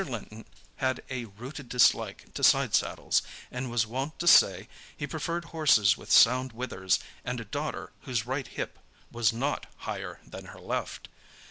Linton had a rooted dislike to side saddles, and was wont to say he preferred horses with sound withers and a daughter whose right hip was not higher than her left.